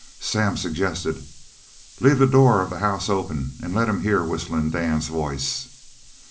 Sam suggested: "Leave the door of the house open an' let him hear Whistlin' Dan's voice."